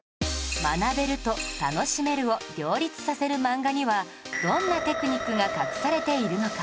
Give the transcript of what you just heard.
「学べる」と「楽しめる」を両立させる漫画にはどんなテクニックが隠されているのか